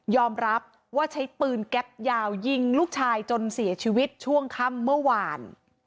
รับว่าใช้ปืนแก๊ปยาวยิงลูกชายจนเสียชีวิตช่วงค่ำเมื่อวาน